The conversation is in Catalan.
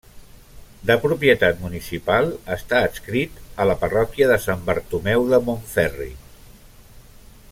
De propietat municipal, està adscrit a la parròquia de Sant Bartomeu de Montferri.